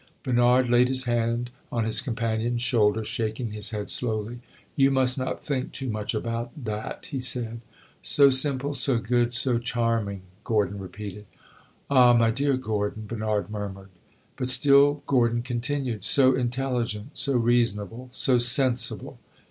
Bernard laid his hand on his companion's shoulder, shaking his head slowly. "You must not think too much about that," he said. "So simple so good so charming!" Gordon repeated. "Ah, my dear Gordon!" Bernard murmured. But still Gordon continued. "So intelligent, so reasonable, so sensible."